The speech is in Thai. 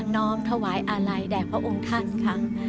้อมถวายอาลัยแด่พระองค์ท่านค่ะ